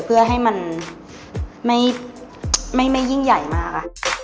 เพื่อให้มันไม่ยิ่งใหญ่มากค่ะ